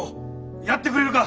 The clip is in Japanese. やってくれるか！